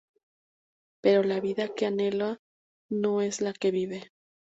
Pero la vida que anhela no es la que vive.